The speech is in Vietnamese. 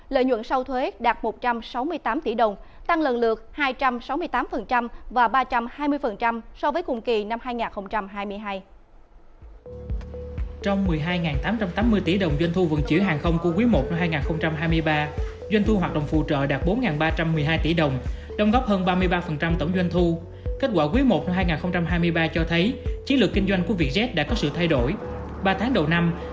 lợi nhuận sau thuế đạt một trăm sáu mươi tám tỷ đồng tăng lần lượt hai trăm sáu mươi tám và ba trăm hai mươi so với cùng kỳ năm hai nghìn hai mươi hai